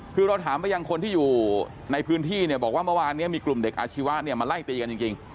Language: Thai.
คือเราถามไปยังคนที่อยู่ในพื้นที่เนี่ยบอกว่าเมื่อวานนี้มีกลุ่มเด็กอาชีวะเนี่ยมาไล่ตีกันจริง